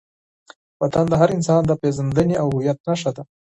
وطن د هر انسان د پېژندنې او هویت نښه ده.